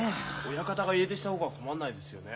親方が家出した方が困んないですよね。